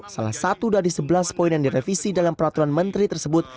salah satu dari sebelas poin yang direvisi dalam peraturan menteri tersebut